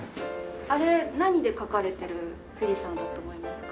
あれ何で描かれてる富士山だと思いますか？